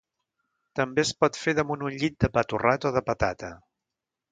També es pot fer damunt un llit de pa torrat o de patata.